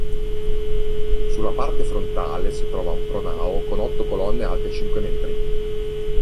Sulla parte frontale si trova un pronao con otto colonne alte cinque metri.